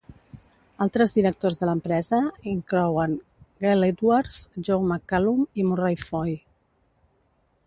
Altres directors de l'empresa inclouen Gale Edwards, Joe McCallum i Murray Foy.